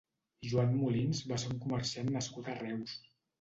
Joan Molins va ser un comerciant nascut a Reus.